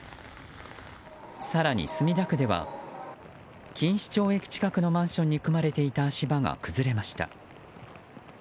更に、墨田区では錦糸町駅近くのマンションに組まれていた足場が崩れました。